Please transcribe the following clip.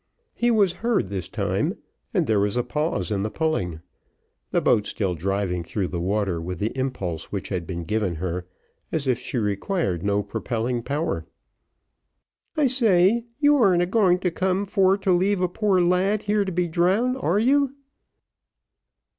He was heard this time, and there was a pause in the pulling, the boat still driving through the water with the impulse which had been given her, as if she required no propelling power. "I say you arn't a going for to come for to leave a poor lad here to be drowned, are you?"